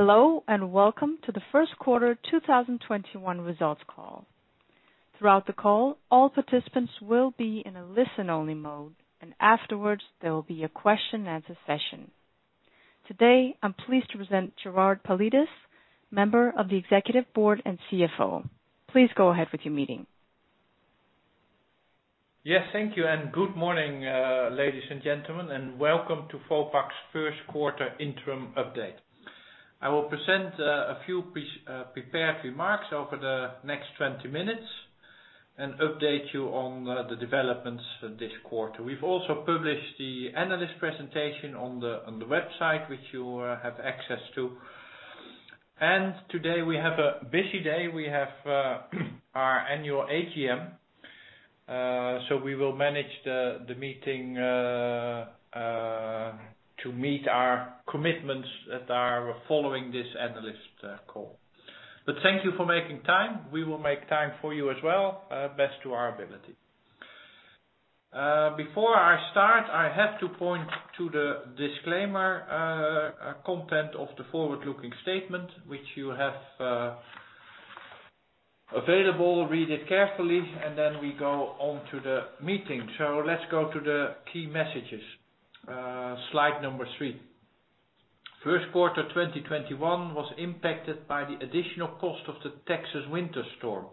Hello, and welcome to the first quarter 2021 results call. Throughout the call, all participants will be in a listen-only mode, and afterwards, there will be a question and answer session. Today, I'm pleased to present Gerard Paulides, member of the executive board and CFO. Please go ahead with your meeting. Yes, thank you. Good morning, ladies and gentlemen, welcome to Vopak's first quarter interim update. I will present a few prepared remarks over the next 20 minutes and update you on the developments this quarter. We've also published the analyst presentation on the website, which you have access to. Today we have a busy day. We have our annual AGM. We will manage the meeting to meet our commitments that are following this analyst call. Thank you for making time. We will make time for you as well, best to our ability. Before I start, I have to point to the disclaimer content of the forward-looking statement, which you have available. Read it carefully. Then we go on to the meeting. Let's go to the key messages. Slide number three. First quarter 2021 was impacted by the additional cost of the Texas winter storm.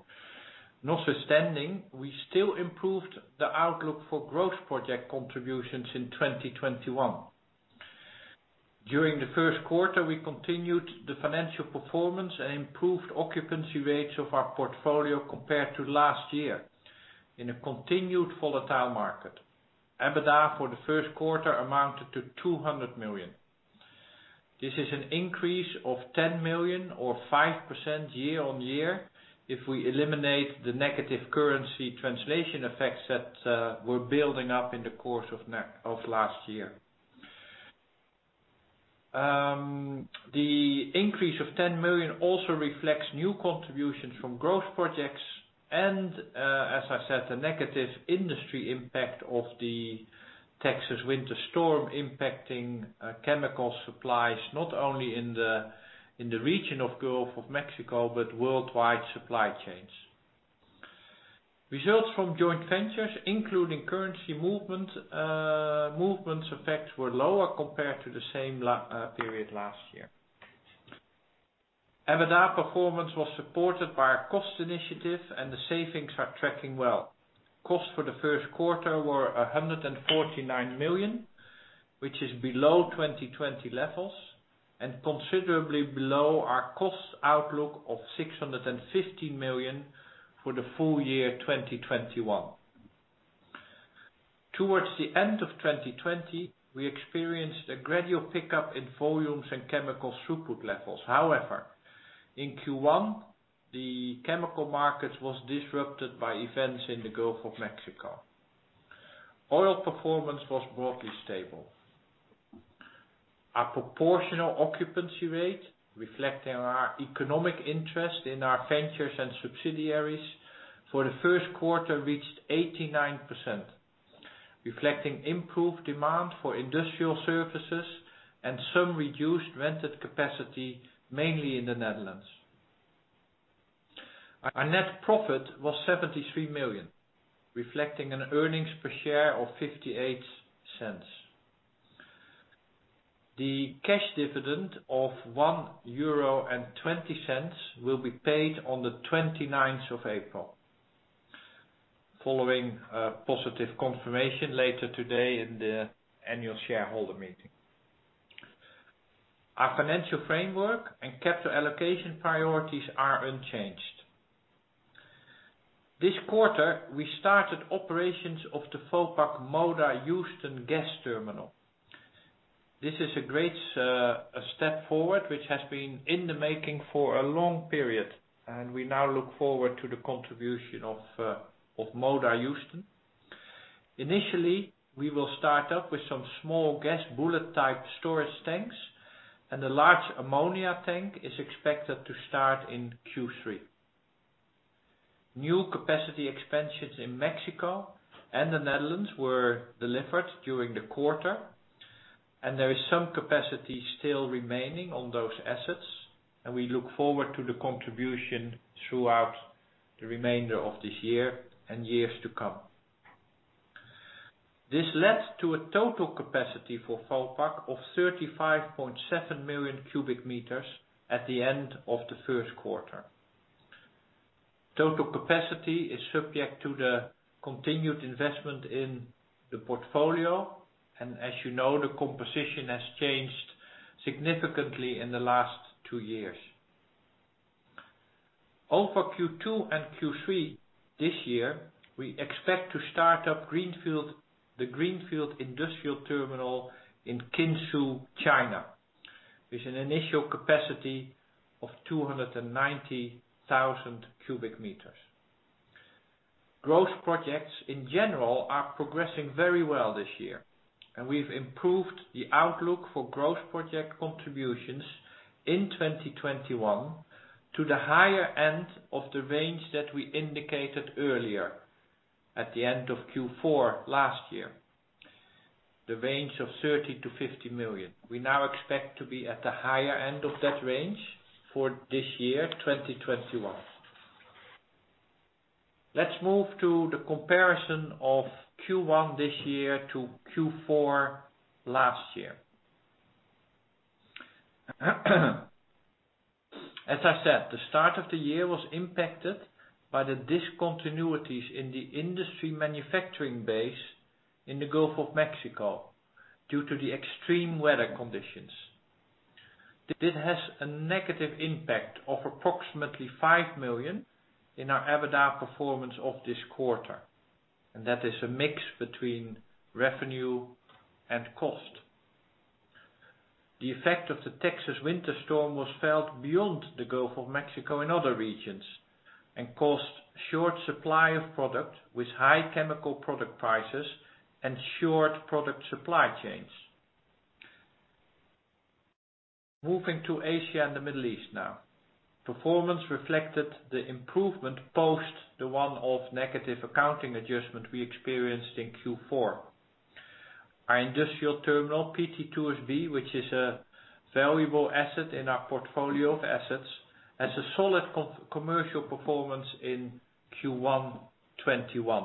Notwithstanding, we still improved the outlook for growth project contributions in 2021. During the first quarter, we continued the financial performance and improved occupancy rates of our portfolio compared to last year in a continued volatile market. EBITDA for the first quarter amounted to 200 million. This is an increase of 10 million or 5% year-on-year if we eliminate the negative currency translation effects that were building up in the course of last year. The increase of 10 million also reflects new contributions from growth projects and, as I said, the negative industry impact of the Texas winter storm impacting chemical supplies, not only in the region of Gulf of Mexico, but worldwide supply chains. Results from joint ventures, including currency movement effects, were lower compared to the same period last year. EBITDA performance was supported by our cost initiative, and the savings are tracking well. Costs for the first quarter were 149 million, which is below 2020 levels and considerably below our cost outlook of 615 million for the full year 2021. Towards the end of 2020, we experienced a gradual pickup in volumes and chemical throughput levels. However, in Q1, the chemical market was disrupted by events in the Gulf of Mexico. Oil performance was broadly stable. Our proportional occupancy rate, reflecting our economic interest in our ventures and subsidiaries, for the first quarter reached 89%, reflecting improved demand for industrial services and some reduced rented capacity, mainly in the Netherlands. Our net profit was 73 million, reflecting an earnings per share of 0.58. The cash dividend of €1.20 will be paid on the 29th of April, following a positive confirmation later today in the annual shareholder meeting. Our financial framework and capital allocation priorities are unchanged. This quarter, we started operations of the Vopak Moda Houston Gas Terminal. This is a great step forward which has been in the making for a long period, and we now look forward to the contribution of Moda Houston. Initially, we will start up with some small gas bullet-type storage tanks, and the large ammonia tank is expected to start in Q3. New capacity expansions in Mexico and the Netherlands were delivered during the quarter and there is some capacity still remaining on those assets, and we look forward to the contribution throughout the remainder of this year and years to come. This led to a total capacity for Vopak of 35.7 million cubic meters at the end of the first quarter. Total capacity is subject to the continued investment in the portfolio, and as you know, the composition has changed significantly in the last two years. Over Q2 and Q3 this year, we expect to start up the Greenfield industrial terminal in Jinzhou, China, with an initial capacity of 290,000 cubic meters. Growth projects, in general, are progressing very well this year, and we've improved the outlook for growth project contributions in 2021 to the higher end of the range that we indicated earlier at the end of Q4 last year. The range of 30 million-50 million. We now expect to be at the higher end of that range for this year, 2021. Let's move to the comparison of Q1 this year to Q4 last year. As I said, the start of the year was impacted by the discontinuities in the industry manufacturing base in the Gulf of Mexico due to the extreme weather conditions. This has a negative impact of approximately 5 million in our EBITDA performance of this quarter, and that is a mix between revenue and cost. The effect of the Texas winter storm was felt beyond the Gulf of Mexico in other regions and caused short supply of product with high chemical product prices and short product supply chains. Moving to Asia and the Middle East now. Performance reflected the improvement post the one-off negative accounting adjustment we experienced in Q4. Our industrial terminal, PT2SB, which is a valuable asset in our portfolio of assets, has a solid commercial performance in Q1 2021.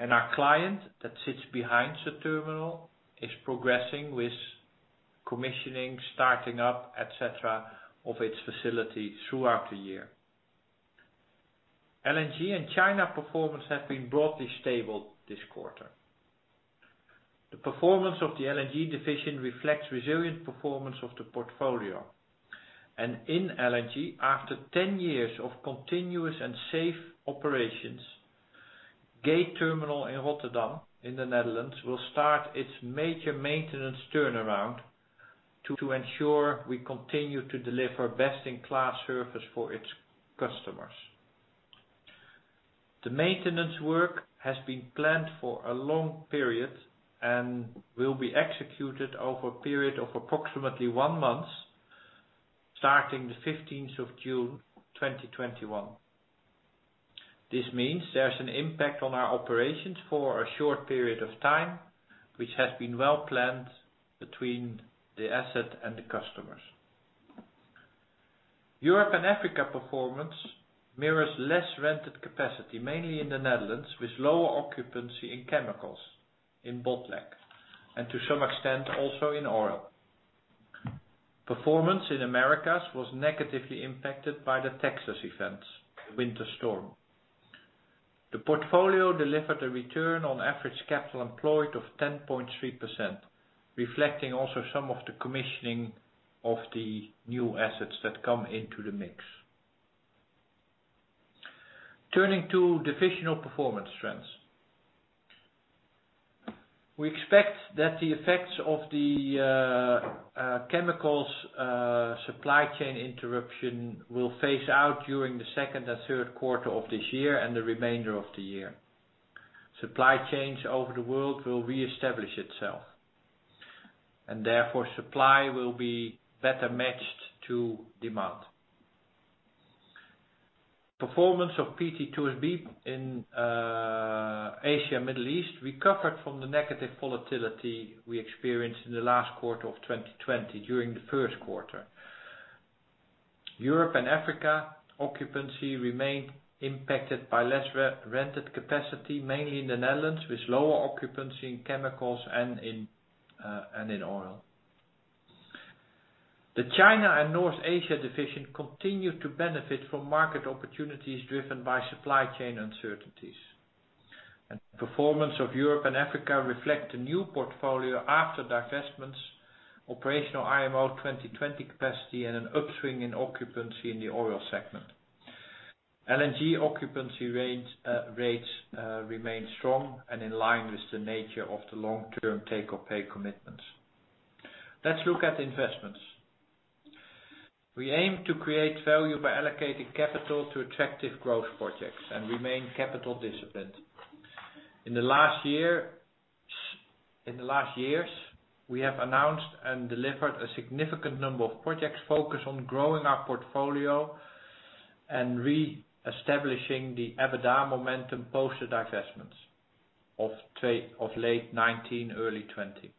Our client that sits behind the terminal is progressing with commissioning, starting up, et cetera, of its facility throughout the year. LNG and China performance have been broadly stable this quarter. The performance of the LNG division reflects resilient performance of the portfolio. In LNG, after 10 years of continuous and safe operations, Gate terminal in Rotterdam in the Netherlands will start its major maintenance turnaround to ensure we continue to deliver best-in-class service for its customers. The maintenance work has been planned for a long period and will be executed over a period of approximately one month, starting the 15th of June 2021. This means there's an impact on our operations for a short period of time, which has been well-planned between the asset and the customers. Europe and Africa performance mirrors less rented capacity, mainly in the Netherlands, with lower occupancy in chemicals in Botlek and to some extent, also in oil. Performance in Americas was negatively impacted by the Texas events, the winter storm. The portfolio delivered a return on average capital employed of 10.3%, reflecting also some of the commissioning of the new assets that come into the mix. Turning to divisional performance trends. We expect that the effects of the chemicals supply chain interruption will phase out during the second and third quarter of this year and the remainder of the year. Supply chains over the world will reestablish itself, and therefore supply will be better matched to demand. Performance of PT2SB in Asia and Middle East recovered from the negative volatility we experienced in the last quarter of 2020 during the first quarter. Europe and Africa occupancy remained impacted by less rented capacity, mainly in the Netherlands, with lower occupancy in chemicals and in oil. The China and North Asia division continued to benefit from market opportunities driven by supply chain uncertainties. The performance of Europe and Africa reflect the new portfolio after divestments, operational MOT 2020 capacity, and an upswing in occupancy in the oil segment. LNG occupancy rates remain strong and in line with the nature of the long-term take-or-pay commitments. Let's look at investments. We aim to create value by allocating capital to attractive growth projects and remain capital disciplined. In the last years, we have announced and delivered a significant number of projects focused on growing our portfolio and reestablishing the EBITDA momentum post divestments of late 2019, early 2020.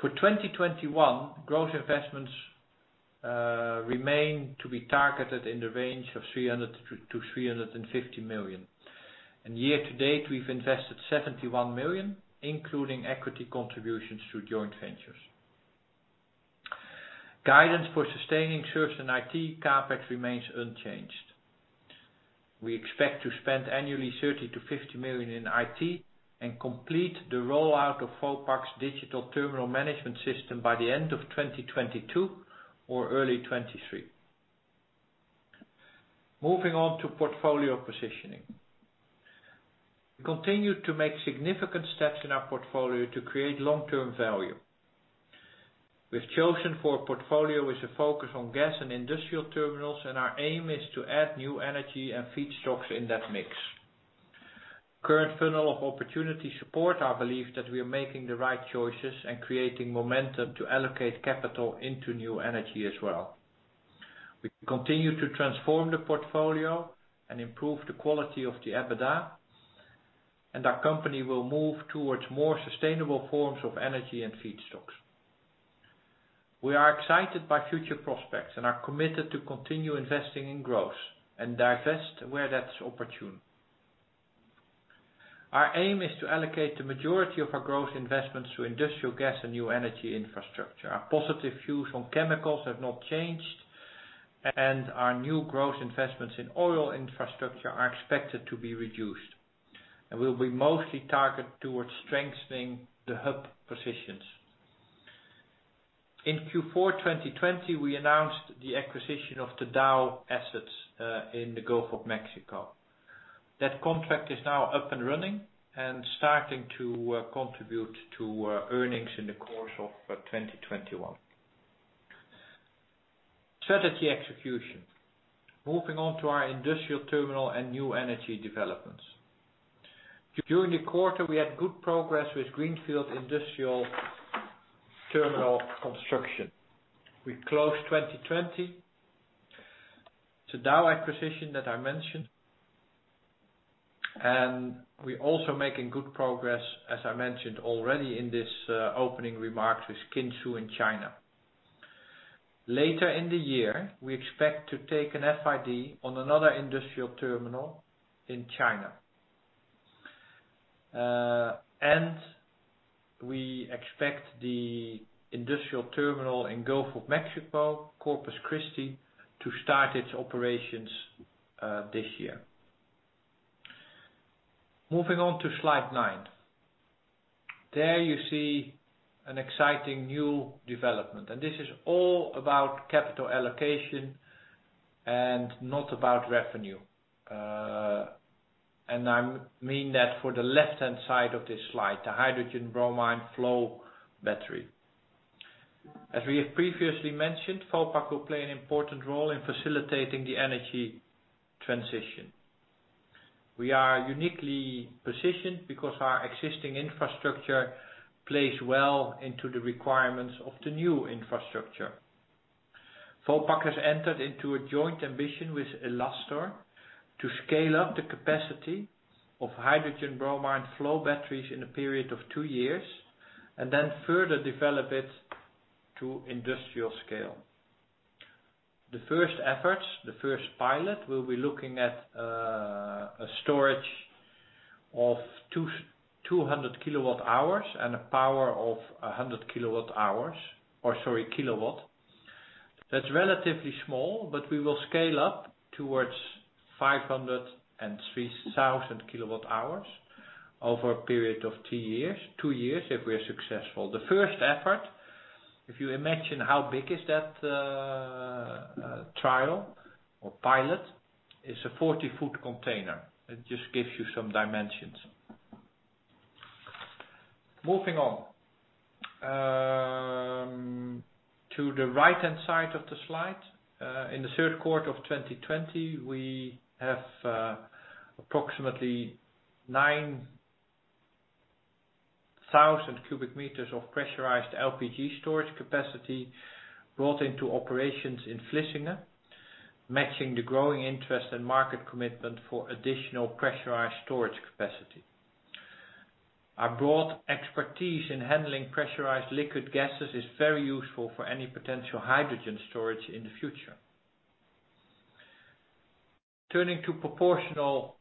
For 2021, growth investments remain to be targeted in the range of 300 million to 350 million. Year to date, we've invested 71 million, including equity contributions to joint ventures. Guidance for sustaining services and IT, CapEx remains unchanged. We expect to spend annually 30 million-50 million in IT and complete the rollout of Vopak's digital terminal management system by the end of 2022 or early 2023. Moving on to portfolio positioning. We continue to make significant steps in our portfolio to create long-term value. We've chosen for a portfolio with a focus on gas and industrial terminals, and our aim is to add new energy and feedstocks in that mix. Current funnel of opportunity support our belief that we are making the right choices and creating momentum to allocate capital into new energy as well. We continue to transform the portfolio and improve the quality of the EBITDA, and our company will move towards more sustainable forms of energy and feedstocks. We are excited by future prospects and are committed to continue investing in growth and divest where that's opportune. Our aim is to allocate the majority of our growth investments to industrial gas and new energy infrastructure. Our positive views on chemicals have not changed, and our new growth investments in oil infrastructure are expected to be reduced, and will be mostly targeted towards strengthening the hub positions. In Q4 2020, we announced the acquisition of the Dow assets in the Gulf of Mexico. That contract is now up and running and starting to contribute to earnings in the course of 2021. Strategy execution. Moving on to our industrial terminal and new energy developments. During the quarter, we had good progress with greenfield industrial terminal construction. We closed 2020. The Dow acquisition that I mentioned. We're also making good progress, as I mentioned already in this opening remarks, with Jinzhou in China. Later in the year, we expect to take an FID on another industrial terminal in China. We expect the industrial terminal in Gulf of Mexico, Corpus Christi, to start its operations this year. Moving on to slide nine. There you see an exciting new development, and this is all about capital allocation and not about revenue. I mean that for the left-hand side of this slide, the hydrogen-bromine flow battery. As we have previously mentioned, Vopak will play an important role in facilitating the energy transition. We are uniquely positioned because our existing infrastructure plays well into the requirements of the new infrastructure. Vopak has entered into a joint ambition with Elestor to scale up the capacity of hydrogen-bromine flow batteries in a period of two years, and then further develop it to industrial scale. The first efforts, the first pilot, will be looking at a storage of 200 kilowatt hours and a power of 100 kilowatt hours, or sorry, kilowatt. That's relatively small, but we will scale up towards 500 and 3,000 kilowatt hours over a period of two years if we're successful. The first effort, if you imagine how big is that trial or pilot, is a 40-foot container. It just gives you some dimensions. Moving on. To the right-hand side of the slide. In the third quarter of 2020, we have approximately 9,000 cubic meters of pressurized LPG storage capacity brought into operations in Vlissingen, matching the growing interest and market commitment for additional pressurized storage capacity. Our broad expertise in handling pressurized liquid gases is very useful for any potential hydrogen storage in the future. Turning to proportional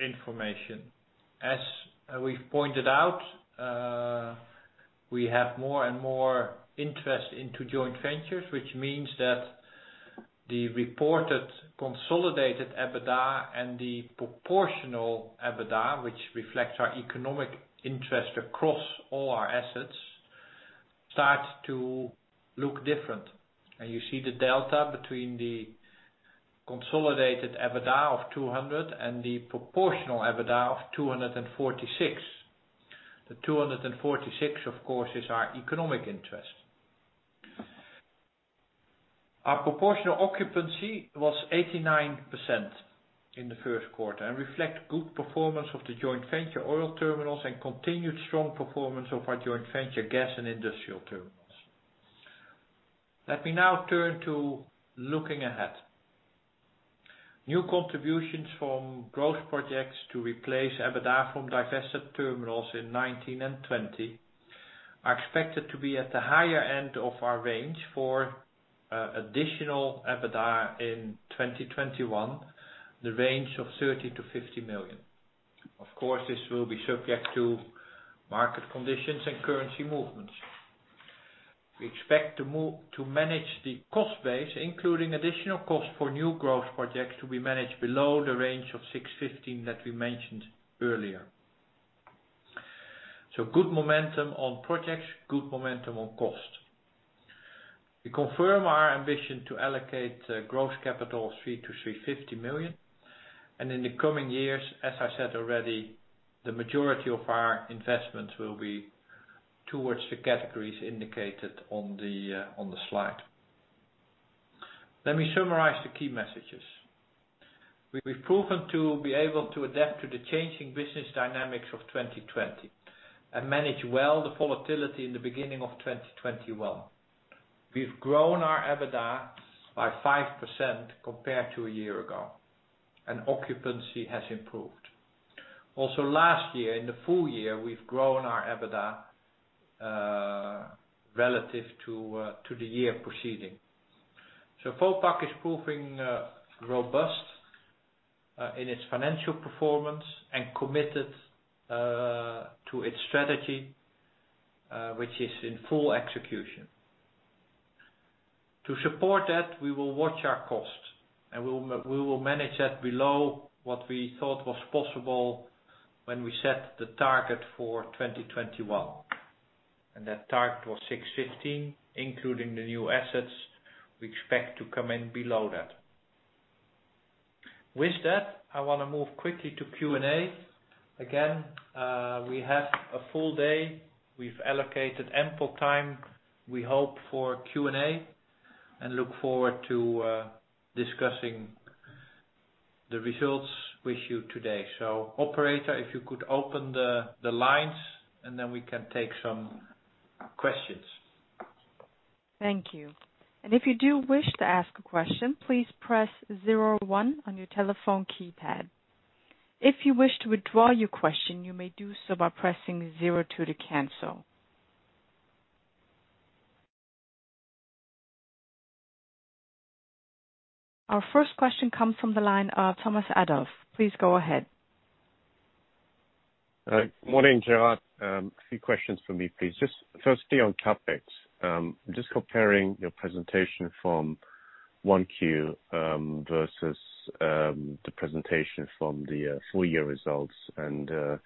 information. As we've pointed out, we have more and more interest into joint ventures, which means that the reported consolidated EBITDA and the proportional EBITDA, which reflects our economic interest across all our assets, start to look different. You see the delta between the consolidated EBITDA of 200 and the proportional EBITDA of 246. The 246, of course, is our economic interest. Our proportional occupancy was 89% in the first quarter and reflect good performance of the joint venture oil terminals and continued strong performance of our joint venture gas and industrial terminals. Let me now turn to looking ahead. New contributions from growth projects to replace EBITDA from divested terminals in 2019 and 2020 are expected to be at the higher end of our range for additional EBITDA in 2021, the range of 30 million-50 million. Of course, this will be subject to market conditions and currency movements. We expect to manage the cost base, including additional cost for new growth projects, to be managed below the range of 615 million that we mentioned earlier. Good momentum on projects, good momentum on cost. We confirm our ambition to allocate growth capital of 300 million-350 million, in the coming years, as I said already, the majority of our investments will be towards the categories indicated on the slide. Let me summarize the key messages. We've proven to be able to adapt to the changing business dynamics of 2020 and manage well the volatility in the beginning of 2021. We've grown our EBITDA by 5% compared to a year ago, and occupancy has improved. Also last year, in the full year, we've grown our EBITDA relative to the year proceeding. Vopak is proving robust in its financial performance and committed to its strategy, which is in full execution. To support that, we will watch our costs, and we will manage that below what we thought was possible when we set the target for 2021. That target was 615, including the new assets we expect to come in below that. With that, I want to move quickly to Q&A. Again, we have a full day. We've allocated ample time, we hope, for Q&A and look forward to discussing the results with you today. Operator, if you could open the lines, then we can take some questions. Thank you. If you do wish to ask a question, please press 01 on your telephone keypad. If you wish to withdraw your question, you may do so by pressing 02 to cancel. Our first question comes from the line of Thomas Adolph. Please go ahead. Morning, Gerard. A few questions from me, please. Firstly, on CapEx, just comparing your presentation from 1Q versus the presentation from the full-year results, the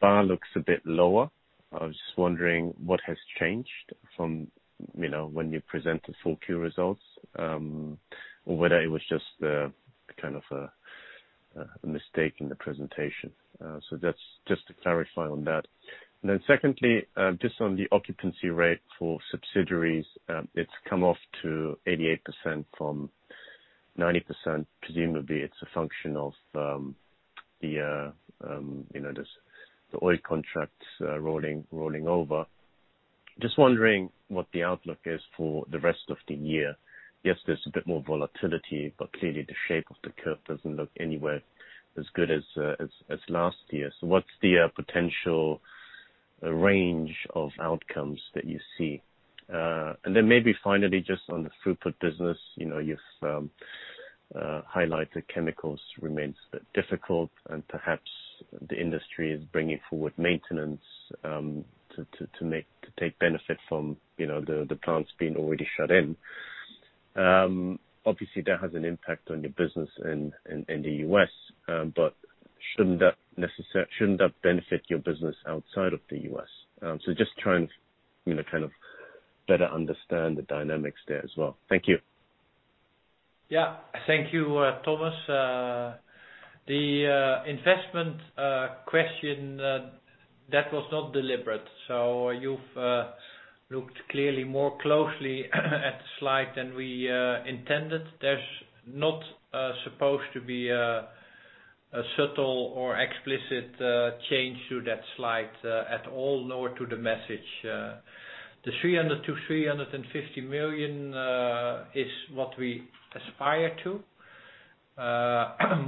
bar looks a bit lower. I was just wondering what has changed from when you present the full Q results, or whether it was just kind of a mistake in the presentation. Just to clarify on that. Secondly, just on the occupancy rate for subsidiaries, it's come off to 88% from 90%. Presumably, it's a function of the oil contracts rolling over. Just wondering what the outlook is for the rest of the year. Yes, there's a bit more volatility, clearly the shape of the curve doesn't look anywhere as good as last year. What's the potential range of outcomes that you see? Then maybe finally, just on the throughput business, you've highlighted chemicals remains a bit difficult, and perhaps the industry is bringing forward maintenance to take benefit from the plants being already shut in. Obviously, that has an impact on your business in the U.S., but shouldn't that benefit your business outside of the U.S.? Just trying to kind of better understand the dynamics there as well. Thank you. Thank you, Thomas. The investment question, that was not deliberate. You've looked clearly more closely at the slide than we intended. There's not supposed to be a subtle or explicit change to that slide at all, nor to the message. The 300 million-350 million is what we aspire to.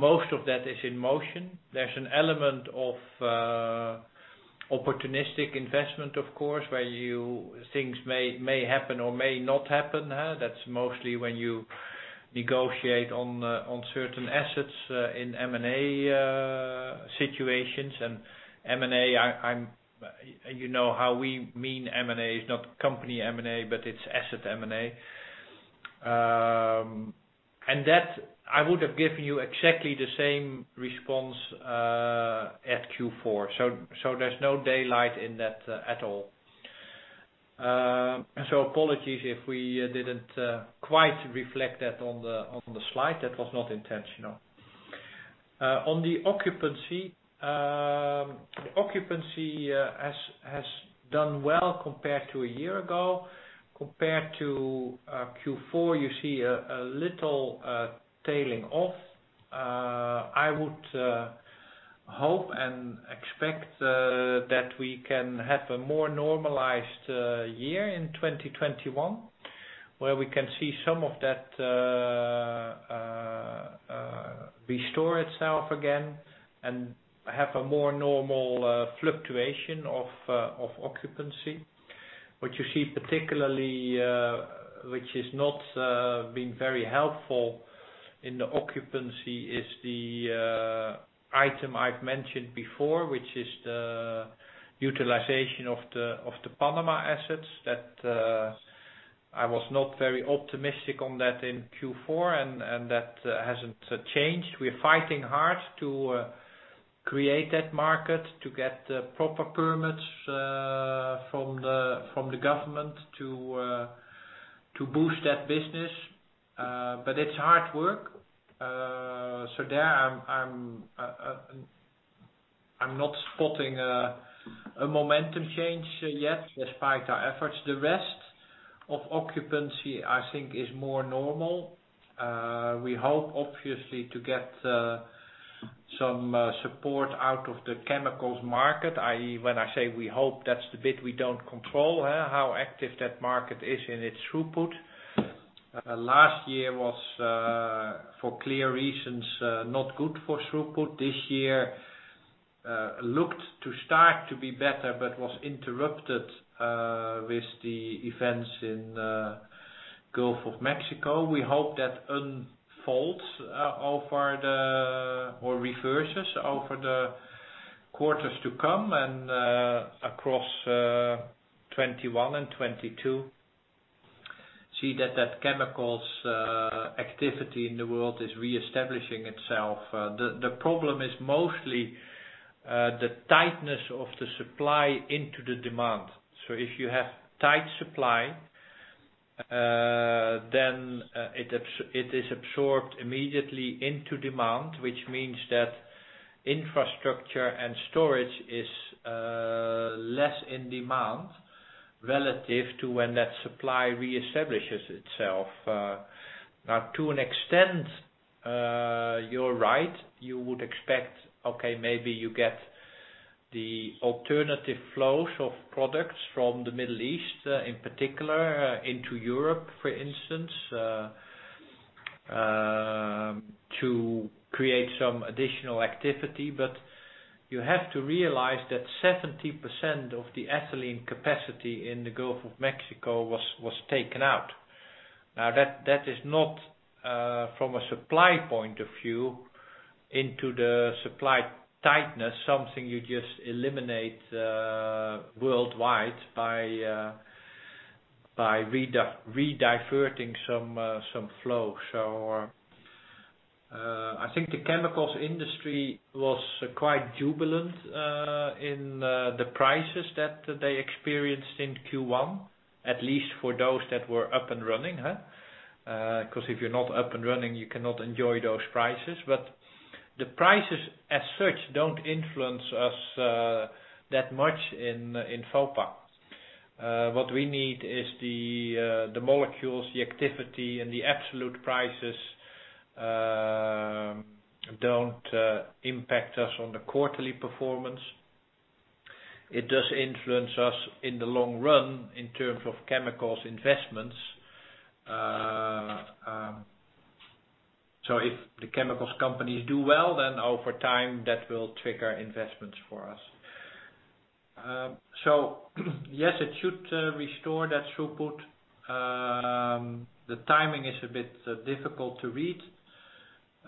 Most of that is in motion. There's an element of opportunistic investment, of course, where things may happen or may not happen. That's mostly when you negotiate on certain assets in M&A situations. M&A, you know how we mean M&A is not company M&A, but it's asset M&A. That I would have given you exactly the same response at Q4. There's no daylight in that at all. Apologies if we didn't quite reflect that on the slide. That was not intentional. On the occupancy, the occupancy has done well compared to a year ago. Compared to Q4, you see a little tailing off. I would hope and expect that we can have a more normalized year in 2021, where we can see some of that restore itself again and have a more normal fluctuation of occupancy. What you see particularly, which has not been very helpful in the occupancy, is the item I've mentioned before, which is the utilization of the Panama assets that I was not very optimistic on that in Q4, and that hasn't changed. We're fighting hard to create that market, to get the proper permits from the government to boost that business. It's hard work. There I'm not spotting a momentum change yet, despite our efforts. The rest of occupancy, I think, is more normal. We hope, obviously, to get some support out of the chemicals market. When I say we hope, that's the bit we don't control. How active that market is in its throughput. Last year was, for clear reasons, not good for throughput. This year looked to start to be better, was interrupted with the events in Gulf of Mexico. We hope that unfolds or reverses over the quarters to come and, across 2021 and 2022. See that chemicals activity in the world is reestablishing itself. The problem is mostly the tightness of the supply into the demand. If you have tight supply, then it is absorbed immediately into demand, which means that infrastructure and storage is less in demand relative to when that supply reestablishes itself. To an extent, you're right, you would expect, okay, maybe you get the alternative flows of products from the Middle East, in particular, into Europe, for instance, to create some additional activity. You have to realize that 70% of the ethylene capacity in the Gulf of Mexico was taken out. Now, that is not, from a supply point of view, into the supply tightness, something you just eliminate worldwide by rediverting some flow. I think the chemicals industry was quite jubilant in the prices that they experienced in Q1, at least for those that were up and running. If you're not up and running, you cannot enjoy those prices. The prices as such don't influence us that much in Vopak. What we need is the molecules, the activity, and the absolute prices don't impact us on the quarterly performance. It does influence us in the long run in terms of chemicals investments. If the chemicals companies do well, then over time, that will trigger investments for us. Yes, it should restore that throughput. The timing is a bit difficult to read.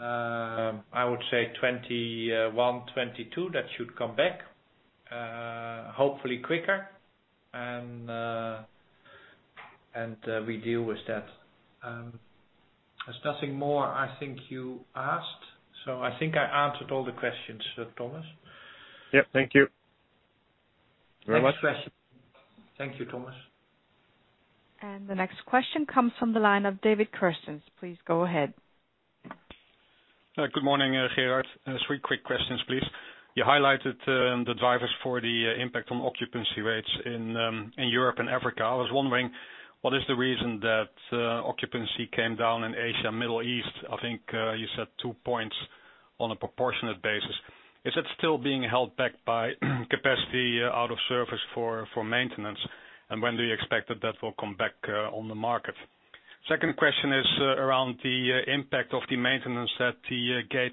I would say 2021, 2022, that should come back, hopefully quicker. We deal with that. There's nothing more I think you asked, so I think I answered all the questions, Thomas. Yep. Thank you very much. Thank you, Thomas. The next question comes from the line of David Kerstens. Please go ahead. Good morning, Gerard. Three quick questions, please. You highlighted the drivers for the impact on occupancy rates in Europe and Africa. I was wondering, what is the reason that occupancy came down in Asia, Middle East? I think you said two points on a proportionate basis. Is it still being held back by capacity out of service for maintenance, and when do you expect that that will come back on the market? Second question is around the impact of the maintenance at the Gate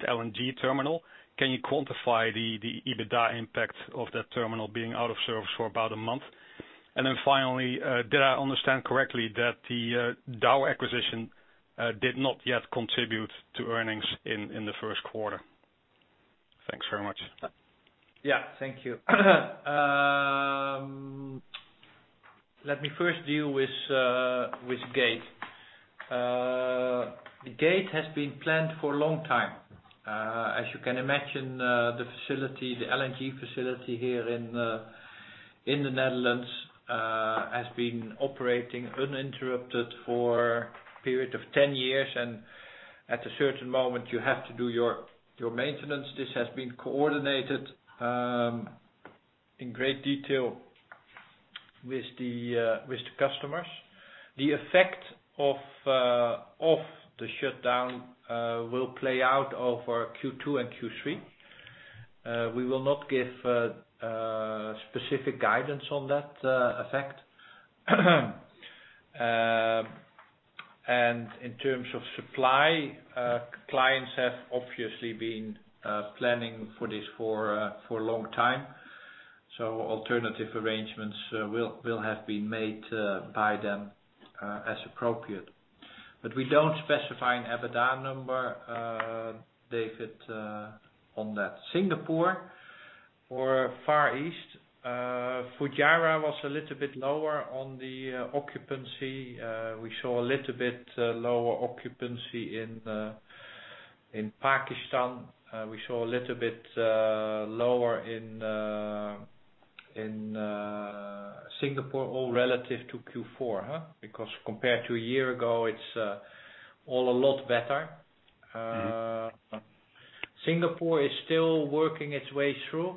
terminal. Can you quantify the EBITDA impact of that terminal being out of service for about a month? Then finally, did I understand correctly that the Dow acquisition did not yet contribute to earnings in the first quarter? Thanks very much. Yeah. Thank you. Let me first deal with Gate. The Gate has been planned for a long time. As you can imagine, the LNG facility here in the Netherlands, has been operating uninterrupted for a period of 10 years, and at a certain moment, you have to do your maintenance. This has been coordinated in great detail with the customers. The effect of the shutdown will play out over Q2 and Q3. We will not give specific guidance on that effect. In terms of supply, clients have obviously been planning for this for a long time, so alternative arrangements will have been made by them as appropriate. We don't specify an EBITDA number, David, on that. Singapore or Far East, Fujairah was a little bit lower on the occupancy. We saw a little bit lower occupancy in Pakistan. We saw a little bit lower in Singapore, all relative to Q4. Compared to a year ago, it's all a lot better. Singapore is still working its way through.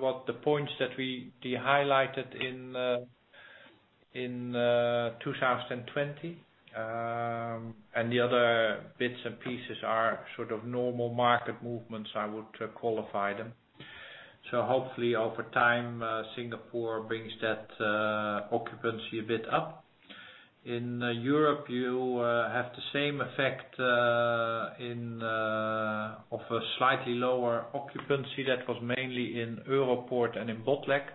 What the points that we highlighted in 2020, and the other bits and pieces are normal market movements, I would qualify them. Hopefully, over time, Singapore brings that occupancy a bit up. In Europe, you have the same effect of a slightly lower occupancy that was mainly in Europoort and in Botlek.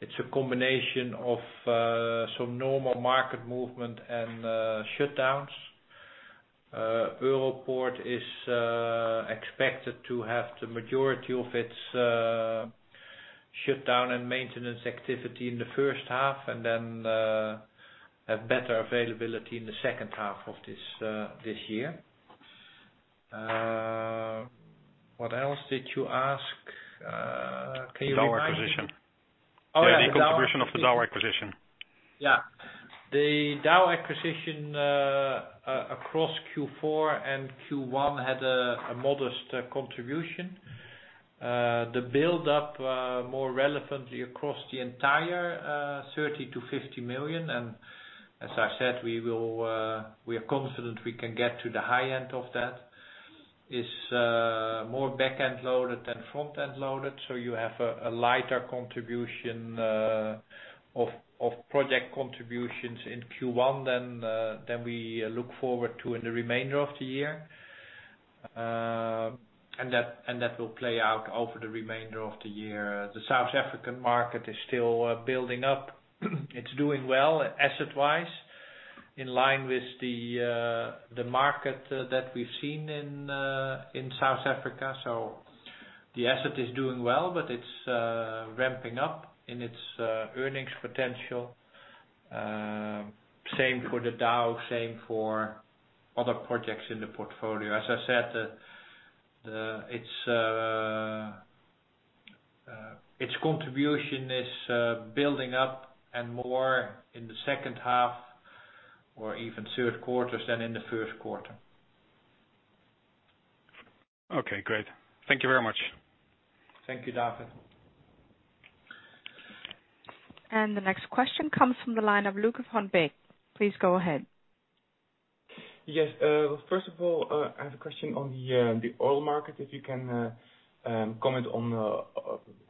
It's a combination of some normal market movement and shutdowns. Europoort is expected to have the majority of its shutdown and maintenance activity in the first half, and then have better availability in the second half of this year. What else did you ask? Can you remind me? The Dow acquisition. Oh, yeah. The contribution of the Dow acquisition. The Dow acquisition across Q4 and Q1 had a modest contribution. The buildup, more relevantly across the entire, 30 million-50 million. As I said, we are confident we can get to the high end of that. Is more back-end loaded than front-end loaded. You have a lighter contribution of project contributions in Q1 than we look forward to in the remainder of the year. That will play out over the remainder of the year. The South African market is still building up. It's doing well asset-wise, in line with the market that we've seen in South Africa. The asset is doing well, but it's ramping up in its earnings potential. Same for the Dow, same for other projects in the portfolio. As I said, its contribution is building up and more in the second half or even third quarters than in the first quarter. Okay, great. Thank you very much. Thank you, David. The next question comes from the line of Luca von Bi. Please go ahead. Yes. First of all, I have a question on the oil market, if you can comment on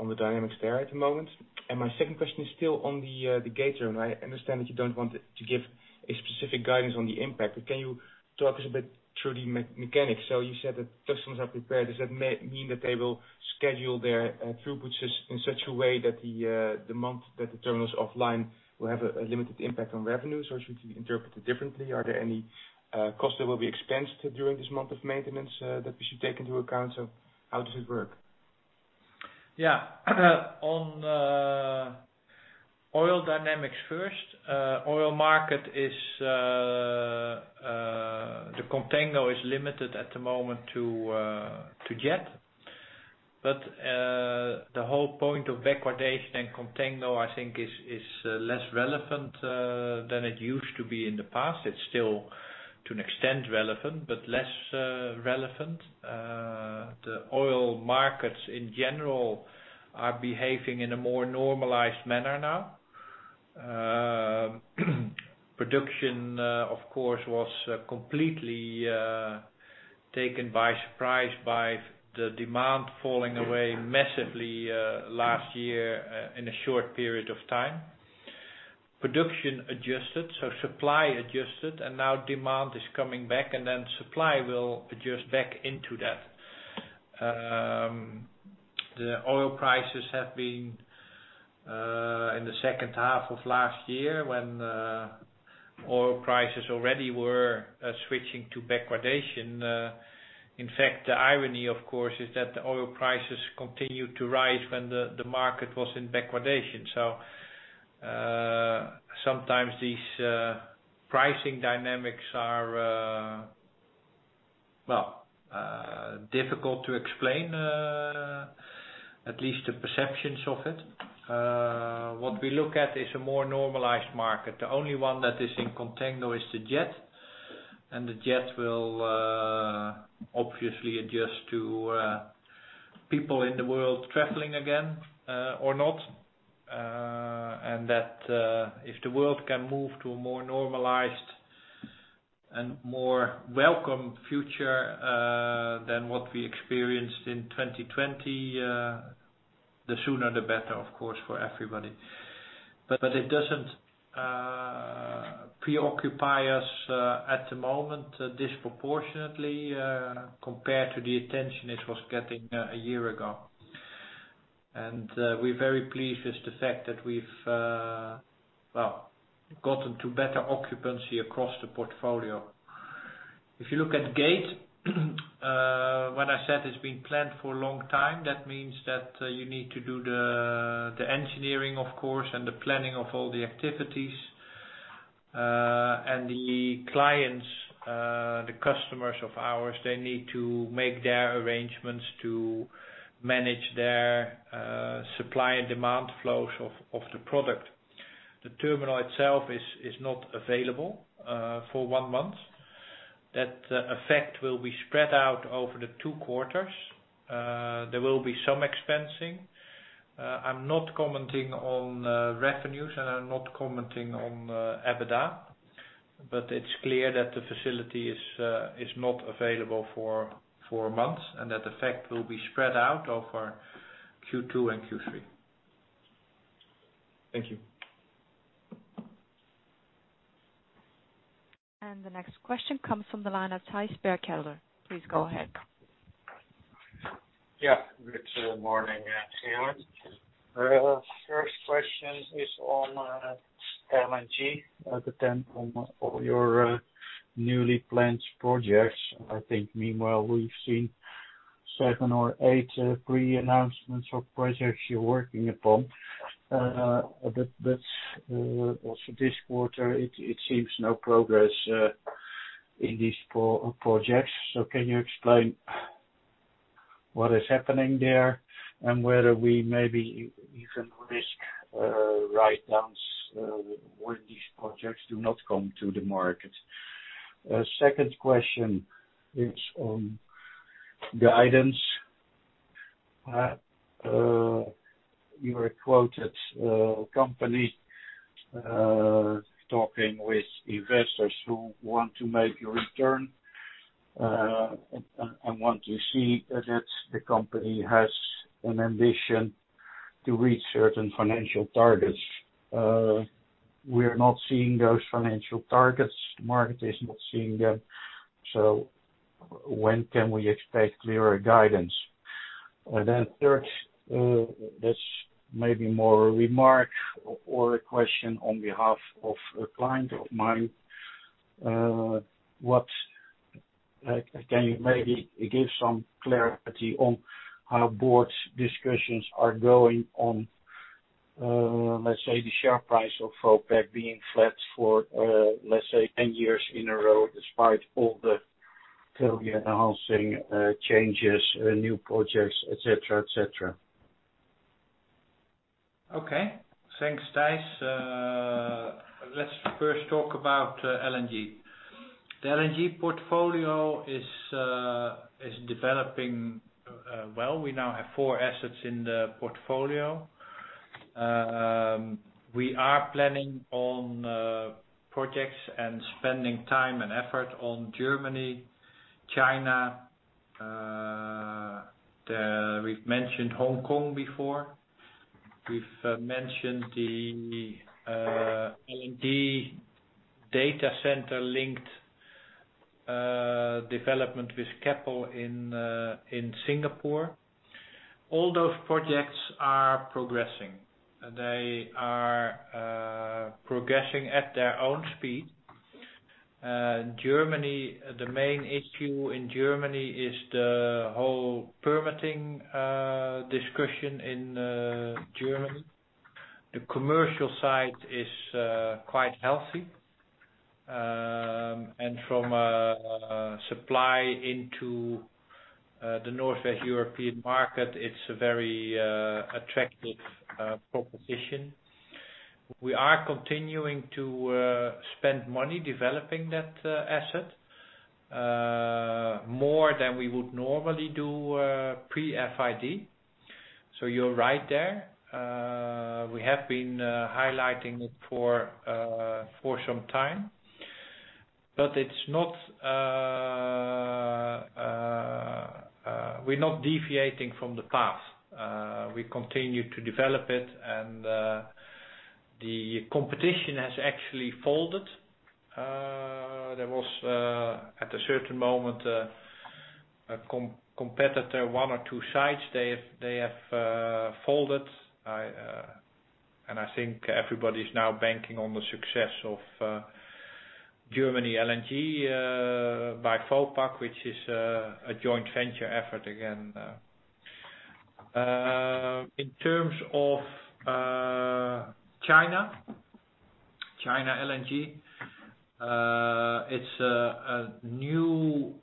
the dynamics there at the moment. My second question is still on the Gate terminal. I understand that you don't want to give a specific guidance on the impact, can you talk us a bit through the mechanics? You said that customers are prepared. Does that mean that they will schedule their throughputs in such a way that the month that the terminal is offline will have a limited impact on revenues? Should we interpret it differently? Are there any costs that will be expensed during this month of maintenance that we should take into account? How does it work? Yeah. On oil dynamics first. Oil market is, the contango is limited at the moment to jet. The whole point of backwardation and contango, I think is less relevant than it used to be in the past. It's still, to an extent relevant, but less relevant. The oil markets in general are behaving in a more normalized manner now. Production, of course, was completely taken by surprise by the demand falling away massively last year, in a short period of time. Production adjusted, so supply adjusted, and now demand is coming back, and then supply will adjust back into that. The oil prices have been, in the second half of last year, when oil prices already were switching to backwardation. In fact, the irony, of course, is that the oil prices continued to rise when the market was in backwardation. Sometimes these pricing dynamics are difficult to explain. At least the perceptions of it. What we look at is a more normalized market. The only one that is in contango is the jet. The jet will obviously adjust to people in the world traveling again, or not. That if the world can move to a more normalized and more welcome future than what we experienced in 2020, the sooner the better, of course, for everybody. It doesn't preoccupy us at the moment disproportionately, compared to the attention it was getting a year ago. We're very pleased with the fact that we've gotten to better occupancy across the portfolio. If you look at Gate, what I said has been planned for a long time. That means that you need to do the engineering, of course, and the planning of all the activities. The clients, the customers of ours, they need to make their arrangements to manage their supply and demand flows of the product. The terminal itself is not available for one month. That effect will be spread out over the two quarters. There will be some expensing. I'm not commenting on revenues and I'm not commenting on EBITDA, but it's clear that the facility is not available for four months and that effect will be spread out over Q2 and Q3. Thank you. The next question comes from the line of Thijs Berkelder. Please go ahead. Good morning, everyone. First question is on LNG, the temp on all your newly planned projects. I think meanwhile we have seen 7 or 8 pre-announcements of projects you are working upon. Also this quarter it seems no progress in these four projects. Can you explain what is happening there and whether we maybe even risk write-downs when these projects do not come to the market? Second question is on guidance. You were quoted company talking with investors who want to make a return and want to see that the company has an ambition to reach certain financial targets. We're not seeing those financial targets. The market is not seeing them. When can we expect clearer guidance? Then third, this may be more a remark or a question on behalf of a client of mine. Can you maybe give some clarity on how Board's discussions are going on, let's say the share price of Vopak being flat for, let's say, 10 years in a row, despite all the pre-announcing changes, new projects, et cetera. Okay. Thanks, Thijs. Let's first talk about LNG. The LNG portfolio is developing well. We now have four assets in the portfolio. We are planning on projects and spending time and effort on Germany, China. We've mentioned Hong Kong before. We've mentioned the LNG data center linked development with Keppel in Singapore. All those projects are progressing. They are progressing at their own speed. Germany, the main issue in Germany is the whole permitting discussion in Germany. The commercial side is quite healthy. From a supply into the Northwest European market, it's a very attractive proposition. We are continuing to spend money developing that asset, more than we would normally do pre-FID. You're right there. We have been highlighting it for some time, but we're not deviating from the path. We continue to develop it and the competition has actually folded. There was, at a certain moment, a competitor, one or two sites, they have folded. I think everybody's now banking on the success of Germany LNG, by Vopak, which is a joint venture effort again. In terms of China LNG, it's a new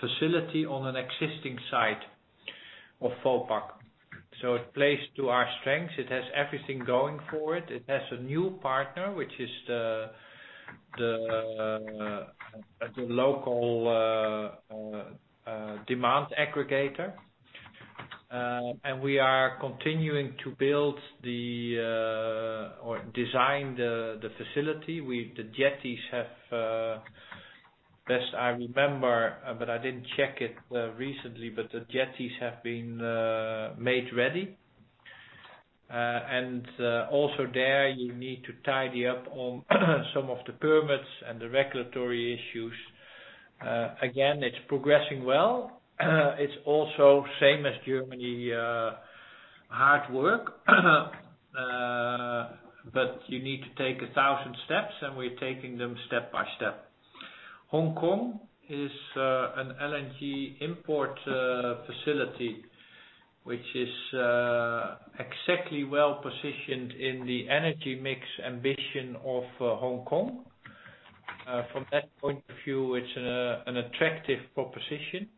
facility on an existing site of Vopak. It plays to our strengths. It has everything going for it. It has a new partner, which is the local demand aggregator. We are continuing to build or design the facility. The jetties have, best I remember, but I didn't check it recently, but the jetties have been made ready. Also there, you need to tidy up on some of the permits and the regulatory issues. Again, it's progressing well. It's also same as Germany, hard work. You need to take 1,000 steps and we're taking them step by step. Hong Kong is an LNG import facility, which is exactly well-positioned in the energy mix ambition of Hong Kong. From that point of view, it's an attractive proposition.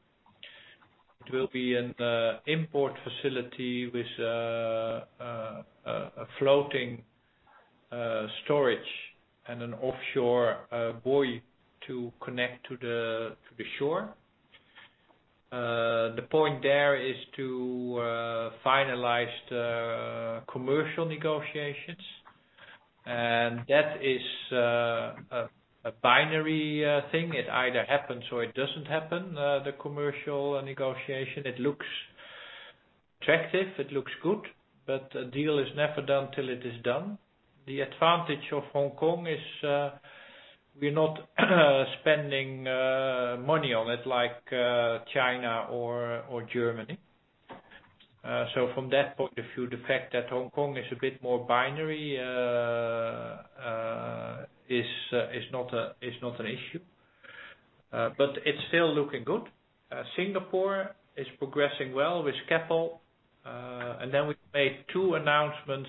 It will be an import facility with a floating storage and an offshore buoy to connect to the shore. The point there is to finalize the commercial negotiations, and that is a binary thing. It either happens or it doesn't happen, the commercial negotiation. It looks attractive, it looks good, but a deal is never done till it is done. The advantage of Hong Kong is we're not spending money on it like China or Germany. From that point of view, the fact that Hong Kong is a bit more binary is not an issue. It's still looking good. Singapore is progressing well with Keppel. Then we've made two announcements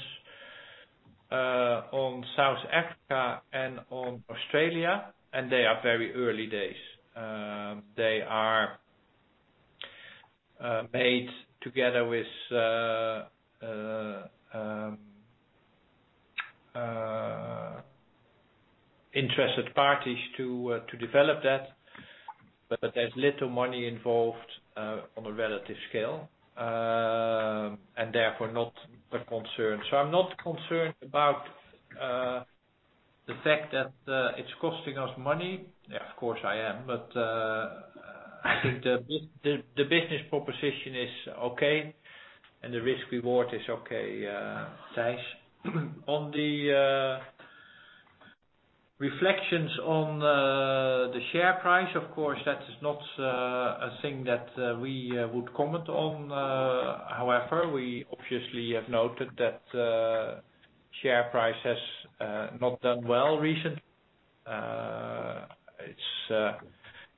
on South Africa and on Australia, and they are very early days. They are made together with interested parties to develop that. There's little money involved on a relative scale, and therefore not a concern. I'm not concerned about the fact that it's costing us money. Yeah, of course I am, but I think the business proposition is okay, and the risk reward is okay, Thijs. On the reflections on the share price, of course, that is not a thing that we would comment on. However, we obviously have noted that share price has not done well recently. It's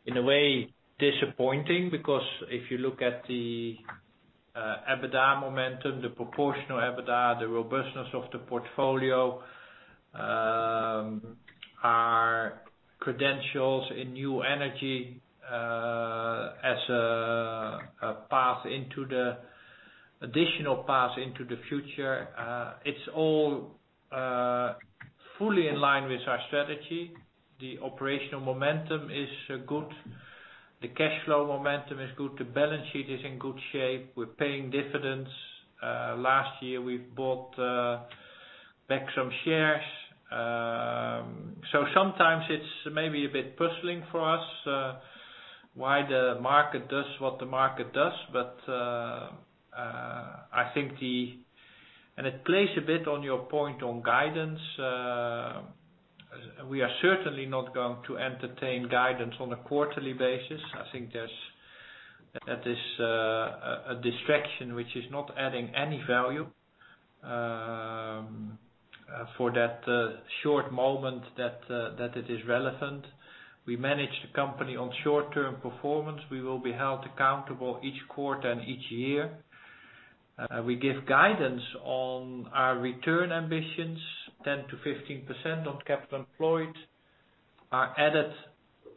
in a way disappointing because if you look at the EBITDA momentum, the proportional EBITDA, the robustness of the portfolio, our credentials in new energy as additional path into the future, it's all fully in line with our strategy. The operational momentum is good. The cash flow momentum is good. The balance sheet is in good shape. We're paying dividends. Last year, we've bought back some shares. Sometimes it's maybe a bit puzzling for us why the market does what the market does. It plays a bit on your point on guidance. We are certainly not going to entertain guidance on a quarterly basis. I think that is a distraction which is not adding any value for that short moment that it is relevant. We manage the company on short-term performance. We will be held accountable each quarter and each year. We give guidance on our return ambitions, 10%-15% on capital employed, our added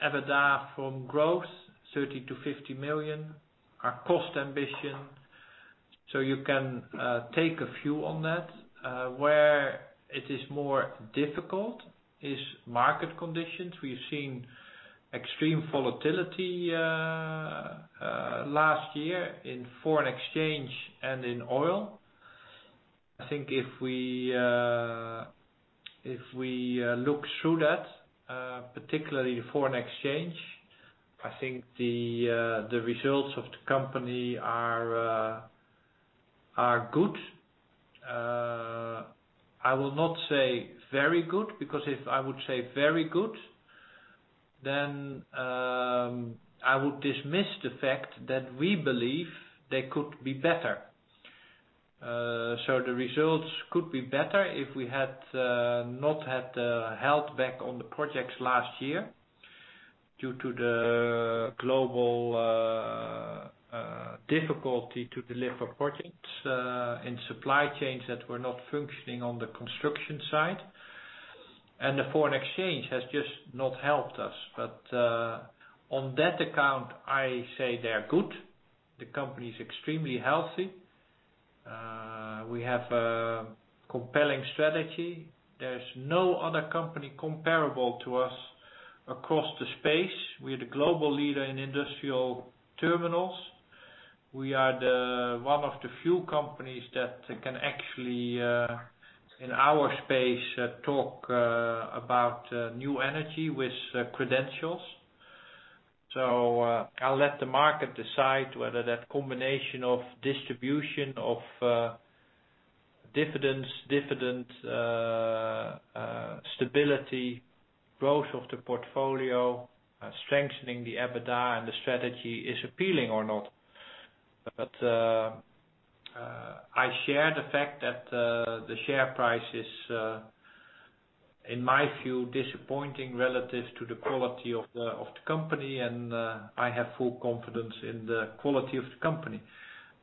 EBITDA from growth, 30 million-50 million, our cost ambition. You can take a view on that. Where it is more difficult is market conditions. We've seen extreme volatility last year in foreign exchange and in oil. I think if we look through that, particularly foreign exchange, I think the results of the company are good. I will not say very good, because if I would say very good, then I would dismiss the fact that we believe they could be better. The results could be better if we had not held back on the projects last year due to the global difficulty to deliver projects and supply chains that were not functioning on the construction side. The foreign exchange has just not helped us. On that account, I say they are good. The company's extremely healthy. We have a compelling strategy. There's no other company comparable to us across the space. We're the global leader in industrial terminals. We are one of the few companies that can actually, in our space, talk about new energy with credentials. I'll let the market decide whether that combination of distribution of dividends, dividend stability, growth of the portfolio, strengthening the EBITDA and the strategy is appealing or not. I share the fact that the share price is, in my view, disappointing relative to the quality of the company, and I have full confidence in the quality of the company.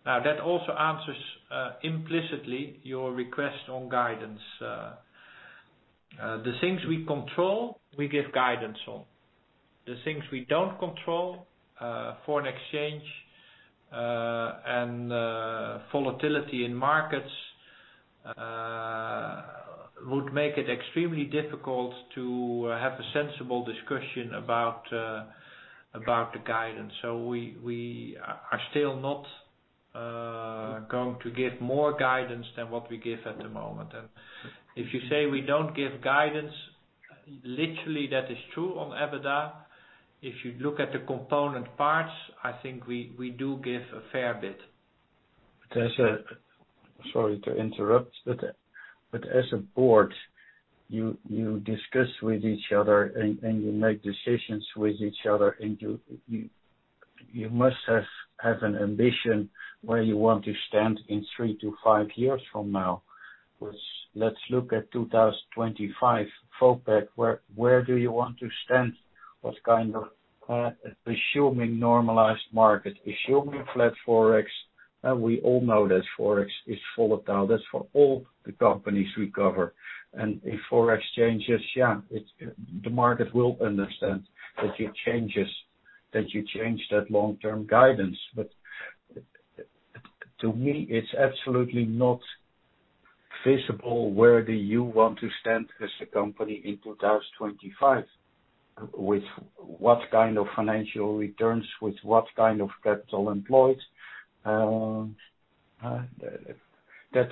Now, that also answers implicitly your request on guidance. The things we control, we give guidance on. The things we don't control, foreign exchange and volatility in markets, would make it extremely difficult to have a sensible discussion about the guidance. We are still not going to give more guidance than what we give at the moment. If you say we don't give guidance, literally that is true on EBITDA. If you look at the component parts, I think we do give a fair bit. Sorry to interrupt, as a board, you discuss with each other, and you make decisions with each other, and you must have an ambition where you want to stand in three to five years from now. Let's look at 2025, Vopak, where do you want to stand? What kind of assuming normalized market, assuming flat Forex, and we all know that Forex is volatile. That's for all the companies we cover. If Forex changes, yeah, the market will understand that you change that long-term guidance. To me, it's absolutely not feasible where do you want to stand as a company in 2025, with what kind of financial returns, with what kind of capital employed. That's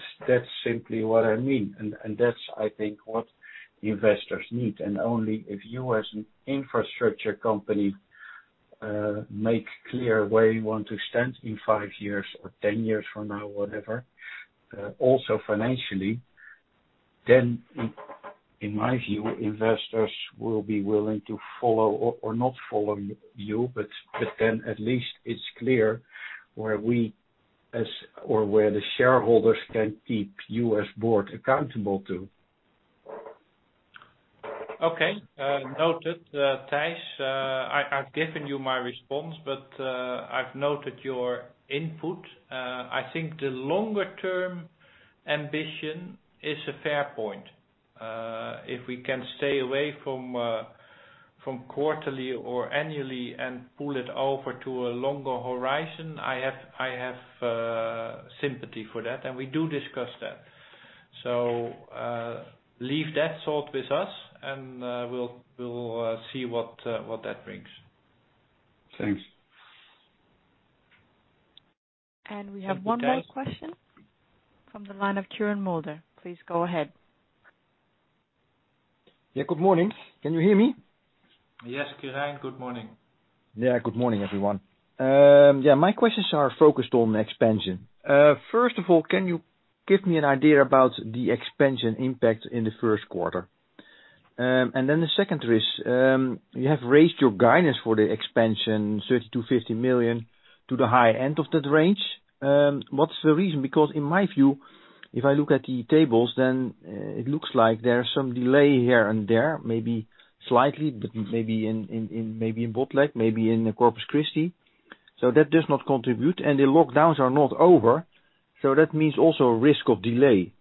simply what I mean, and that's, I think, what investors need. Only if you as an infrastructure company make clear where you want to stand in 5 years or 10 years from now, whatever, also financially, then in my view, investors will be willing to follow or not follow you, but then at least it's clear where we as, or where the shareholders can keep you as board accountable too. Okay, noted. Thijs, I've given you my response, but I've noted your input. I think the longer-term ambition is a fair point. If we can stay away from quarterly or annually and pull it over to a longer horizon, I have sympathy for that, and we do discuss that. Leave that thought with us, and we'll see what that brings. Thanks. We have one more question from the line of Quirijn Mulder. Please go ahead. Yeah, good morning. Can you hear me? Yes, Quirijn. Good morning. Yeah, good morning, everyone. My questions are focused on expansion. First of all, can you give me an idea about the expansion impact in the first quarter? The second is, you have raised your guidance for the expansion, 30 million-50 million to the high end of that range. What's the reason? In my view, if I look at the tables, then it looks like there's some delay here and there, maybe slightly, but maybe in Botlek, maybe in Corpus Christi. That does not contribute, and the lockdowns are not over. That means also a risk of delay.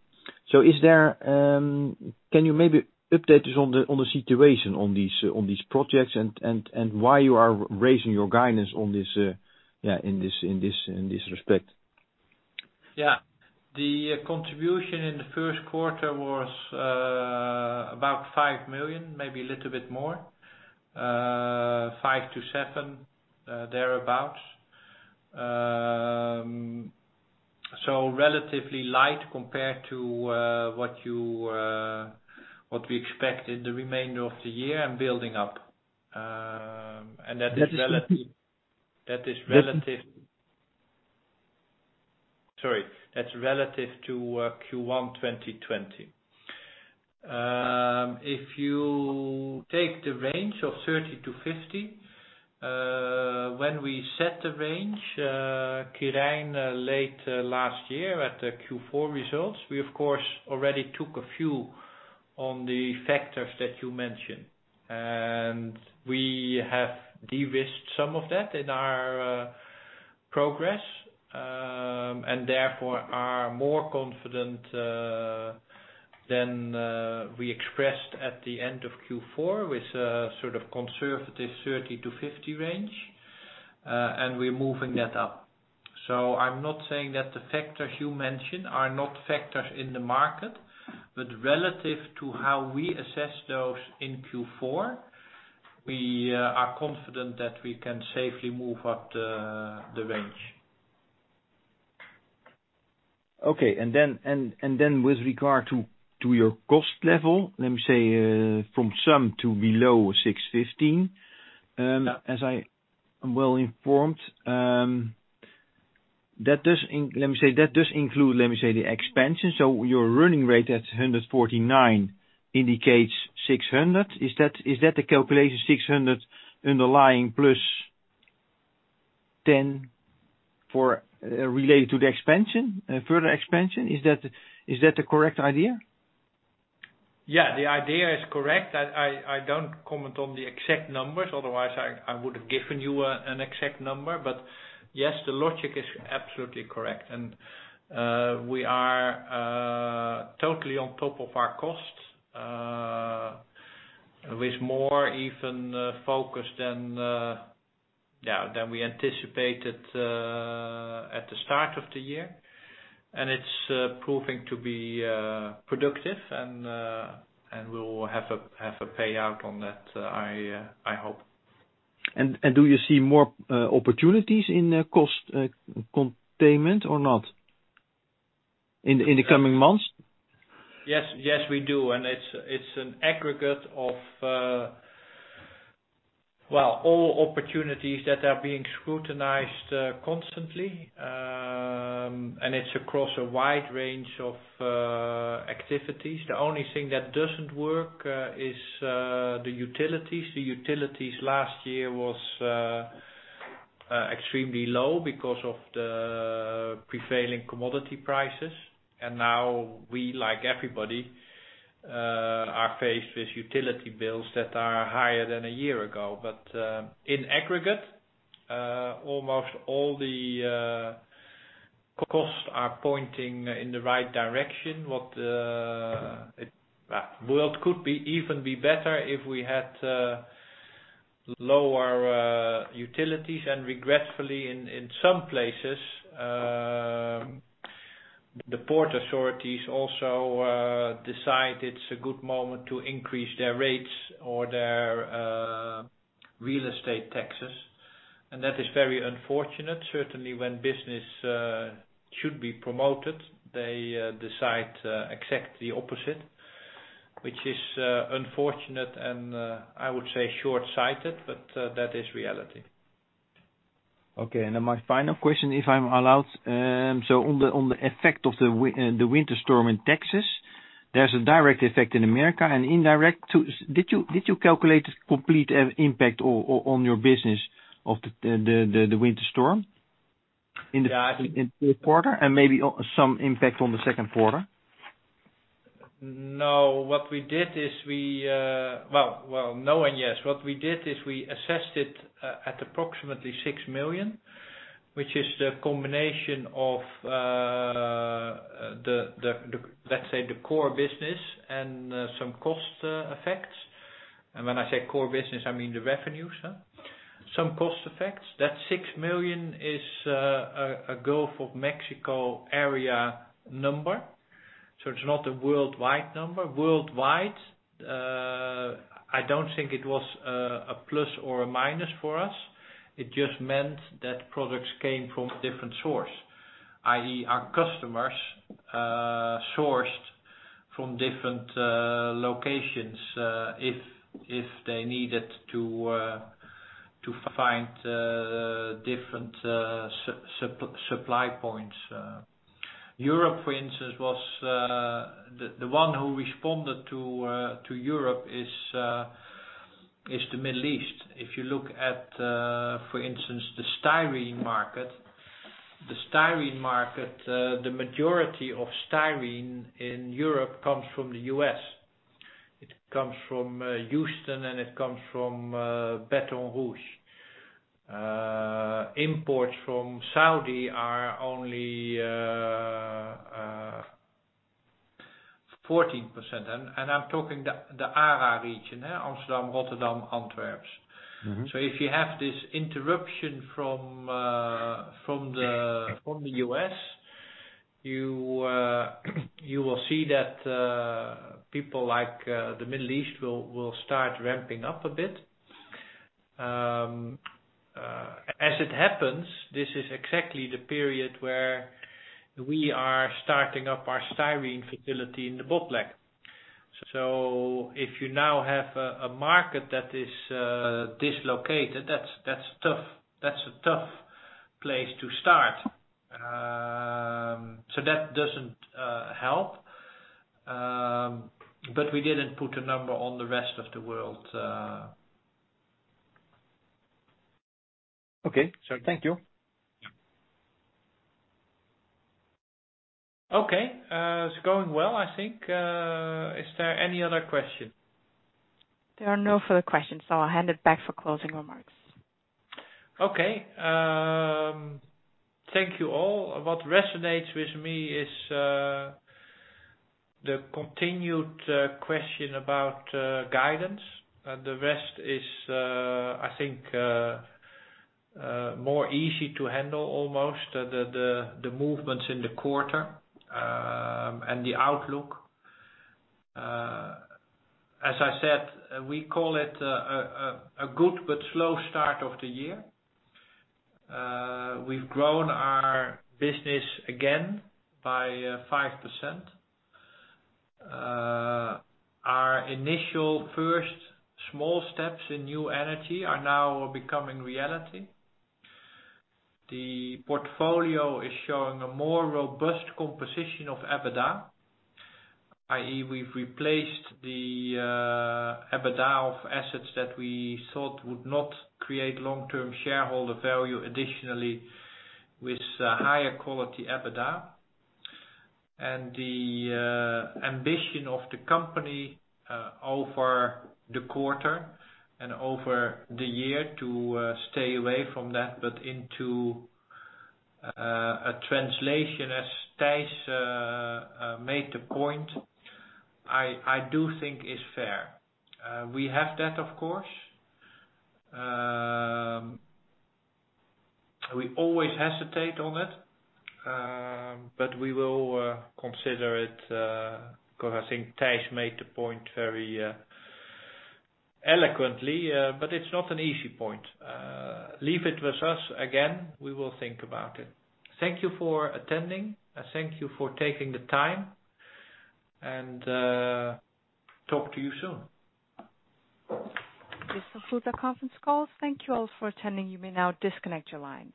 Can you maybe update us on the situation on these projects and why you are raising your guidance in this respect? Yeah. The contribution in the first quarter was about 5 million, maybe a little bit more, 5-7, thereabout. Relatively light compared to what we expect in the remainder of the year and building up. That is relative to Q1 2020. If you take the range of 30-50, when we set the range, Quirijn, late last year at the Q4 results, we of course already took a few on the factors that you mentioned. We have de-risked some of that in our progress, and therefore are more confident than we expressed at the end of Q4 with a conservative 30-50 range, and we're moving that up. I'm not saying that the factors you mention are not factors in the market, but relative to how we assess those in Q4, we are confident that we can safely move up the range. Okay. Then with regard to your cost level, let me say from some to below 615. Yeah. As I am well informed, that does include the expansion. Your running rate at 149 indicates 600. Is that the calculation? 600 underlying plus 10 related to the further expansion? Is that the correct idea? Yeah, the idea is correct. I don't comment on the exact numbers, otherwise, I would have given you an exact number. Yes, the logic is absolutely correct, and we are totally on top of our costs, with more even focus than we anticipated at the start of the year. It's proving to be productive, and we will have a payout on that, I hope. Do you see more opportunities in cost containment or not in the coming months? Yes, we do. It's an aggregate of all opportunities that are being scrutinized constantly. It's across a wide range of activities. The only thing that doesn't work is the utilities. The utilities last year was extremely low because of the prevailing commodity prices. Now we, like everybody, are faced with utility bills that are higher than a year ago. In aggregate, almost all the costs are pointing in the right direction. What could even be better if we had lower utilities and regretfully in some places, the port authorities also decide it's a good moment to increase their rates or their real estate taxes. That is very unfortunate. Certainly, when business should be promoted, they decide exactly the opposite, which is unfortunate and, I would say, shortsighted, but that is reality. Okay. My final question, if I'm allowed. On the effect of the winter storm in Texas, there's a direct effect in the U.S. and indirect too. Did you calculate the complete impact on your business of the winter storm in the first quarter, and maybe some impact on the second quarter? No. What we did is we Well, no and yes. What we did is we assessed it at approximately 6 million, which is the combination of, let's say, the core business and some cost effects. When I say core business, I mean the revenues. Some cost effects. That 6 million is a Gulf of Mexico area number. It's not a worldwide number. Worldwide, I don't think it was a plus or a minus for us. It just meant that products came from a different source, i.e., our customers sourced from different locations, if they needed to find different supply points. Europe, for instance, the one who responded to Europe is the Middle East. If you look at, for instance, the styrene market, the majority of styrene in Europe comes from the U.S. It comes from Houston, and it comes from Baton Rouge. Imports from Saudi are only 14%. I'm talking the ARA region, Amsterdam, Rotterdam, Antwerp. If you have this interruption from the U.S., you will see that people like the Middle East will start ramping up a bit. As it happens, this is exactly the period where we are starting up our styrene facility in the Botlek. If you now have a market that is dislocated, that's tough. That's a tough place to start. That doesn't help. We didn't put a number on the rest of the world. Okay, sir. Thank you. Okay. It's going well, I think. Is there any other question? There are no further questions. I'll hand it back for closing remarks. Okay. Thank you all. What resonates with me is the continued question about guidance. The rest is, I think, more easy to handle, almost, the movements in the quarter and the outlook. As I said, we call it a good but slow start of the year. We've grown our business again by 5%. Our initial first small steps in new energy are now becoming reality. The portfolio is showing a more robust composition of EBITDA, i.e., we've replaced the EBITDA of assets that we thought would not create long-term shareholder value, additionally, with higher quality EBITDA. The ambition of the company over the quarter and over the year to stay away from that, but into a translation, as Thijs made the point, I do think is fair. We have that, of course. We always hesitate on it, but we will consider it because I think Thijs made the point very eloquently, but it's not an easy point. Leave it with us. Again, we will think about it. Thank you for attending. Thank you for taking the time, and talk to you soon. This concludes our conference call. Thank you all for attending. You may now disconnect your lines.